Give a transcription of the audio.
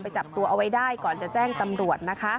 จับตัวเอาไว้ได้ก่อนจะแจ้งตำรวจนะคะ